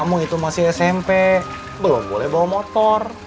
kamu itu masih smp belum boleh bawa motor